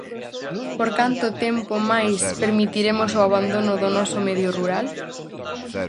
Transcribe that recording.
Por canto tempo máis permitiremos o abandono do noso medio rural?